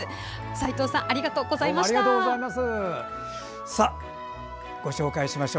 斉藤さんありがとうございました。